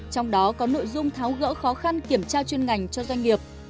trong đó có nội dung tháo gỡ khó khăn kiểm tra chuyên ngành cho doanh nghiệp